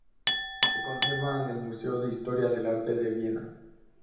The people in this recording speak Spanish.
Se conserva en el Museo de Historia del Arte de Viena.